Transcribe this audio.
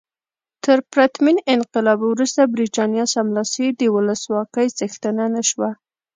تر پرتمین انقلاب وروسته برېټانیا سملاسي د ولسواکۍ څښتنه نه شوه.